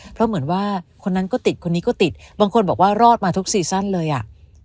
เพราะเหมือนว่าคนนั้นก็ติดคนนี้ก็ติดบางคนบอกว่ารอดมาทุกซีซั่นเลยอ่ะ